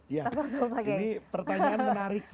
ini pertanyaan menarik